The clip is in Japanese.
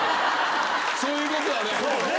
そういうことだね。